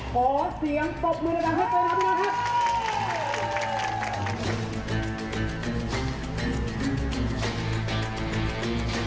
ขอเสียงบับมือในด้านเข้าไปพร้อมอาวิกัลครับ